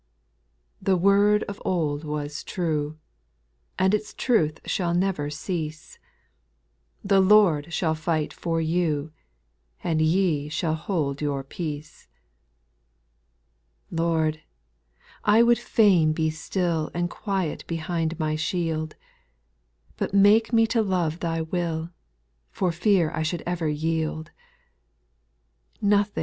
The word of old was true, And its truth shall never cease, " The Lord shall fight for you, And ye shall hold your peace." 11. Lord, I would fain be still And quiet behind my shield ; But make me to love Thy will. For fear I should ever yield.